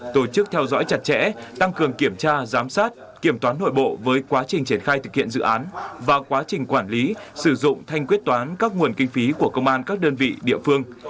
tổ chức theo dõi chặt chẽ tăng cường kiểm tra giám sát kiểm toán nội bộ với quá trình triển khai thực hiện dự án và quá trình quản lý sử dụng thanh quyết toán các nguồn kinh phí của công an các đơn vị địa phương